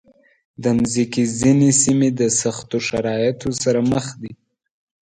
د مځکې ځینې سیمې د سختو شرایطو سره مخ دي.